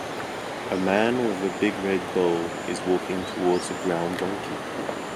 A man with a big red bowl is walking toward a brown donkey.